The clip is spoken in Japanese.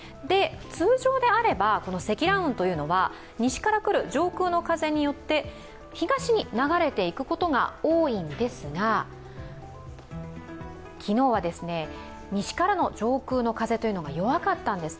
通常であれば積乱雲は西から来る上空の風によって東に流れていくことが多いんですが、昨日は西からの上空の風が弱かったんです。